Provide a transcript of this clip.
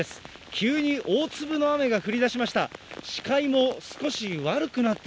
急に大粒の雨が降りだしました。